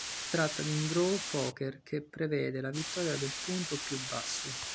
Si tratta di un draw poker che prevede la vittoria del punto più basso.